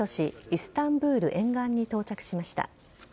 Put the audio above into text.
イスタンブール沿岸に到着しました。